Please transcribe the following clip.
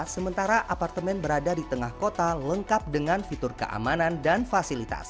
sementara apartemen berada di tengah kota lengkap dengan fitur keamanan dan fasilitas